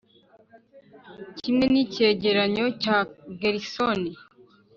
kimwe n'icyegeranyo cya gersony